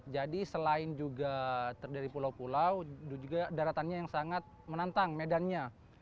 jadi selain juga dari pulau pulau daratannya yang sangat menantang medannya